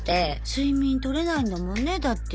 睡眠取れないんだもんねだって。